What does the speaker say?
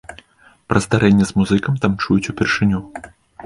Пра здарэнне з музыкам там чуюць упершыню.